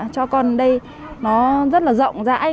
cho con đây nó rất là rộng rãi